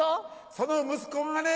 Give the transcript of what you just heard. その息子がね